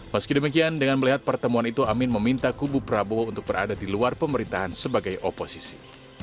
meski demikian dengan melihat pertemuan itu amin meminta kubu prabowo untuk berada di luar pemerintahan sebagai oposisi